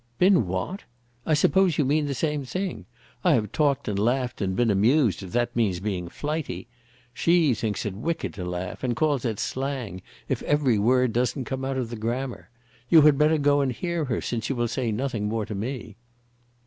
"Been what? I suppose you mean the same thing. I have talked and laughed, and been amused, if that means being flighty. She thinks it wicked to laugh, and calls it slang if every word doesn't come out of the grammar. You had better go and hear her, since you will say nothing more to me."